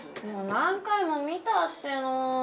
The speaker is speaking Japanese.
もう何回も見たっての。